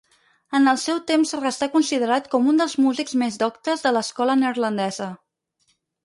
En el seu temps restà considerat com un dels músics més doctes de l'escola neerlandesa.